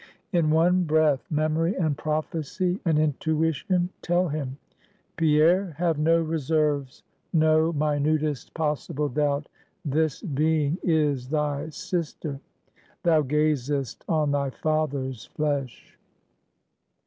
In one breath, Memory and Prophecy, and Intuition tell him "Pierre, have no reserves; no minutest possible doubt; this being is thy sister; thou gazest on thy father's flesh."